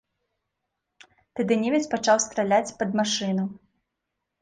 Тады немец пачаў страляць пад машыну.